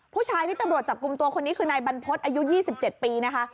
ผู้ชายที่ตำรวจจับกลุ่มตัวคนนี้คือนายบรรพฤษอายุ๒๗ปีนะคะ